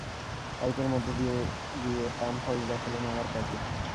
পাইপের মধ্য দিয়ে গিয়ে পাম্প হাউস দখলে নেওয়ার কাজে।